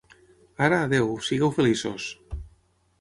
Ara, adéu, sigueu feliços!